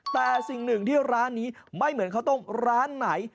แต่สิ่งหนึ่งที่ร้านนี้ไม่เหมือนข้าวต้มร้านไหน